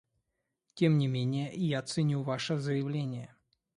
Тем не менее я ценю ваше заявление.